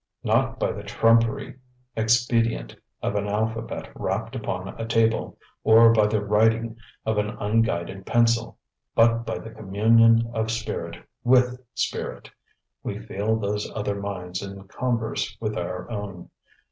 Not by the trumpery expedient of an alphabet rapped out upon a table, or by the writing of an unguided pencil; but by the communion of spirit with spirit, we feel those other minds in converse with our own.